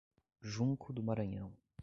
Junco do Maranhão